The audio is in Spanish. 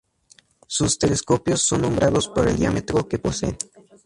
Sus telescopios son nombrados por el diámetro que poseen.